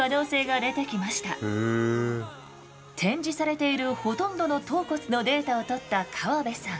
展示されているほとんどの頭骨のデータを取った河部さん。